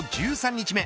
１３日目。